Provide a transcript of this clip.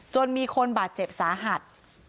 มีคนบาดเจ็บสาหัส